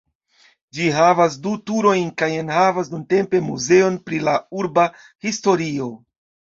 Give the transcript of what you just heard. Ĝi havas du turojn kaj enhavas nuntempe muzeon pri la urba historio.